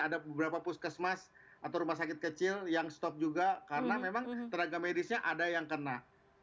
ada beberapa puskesmas atau rumah sakit kecil yang stop juga karena memang tenaga medisnya ada yang kena